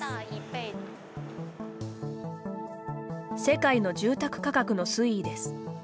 世界の住宅価格の推移です。